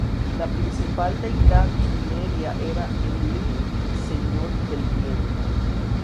La principal deidad sumeria era Enlil, Señor del Viento.